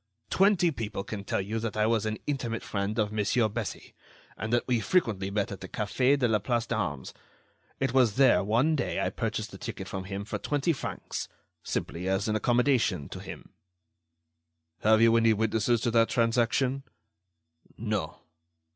Twenty people can tell you that I was an intimate friend of Monsieur Bessy, and that we frequently met at the Café de la Place d'Armes. It was there, one day, I purchased the ticket from him for twenty francs—simply as an accommodation to him." "Have you any witnesses to that transaction?" "No."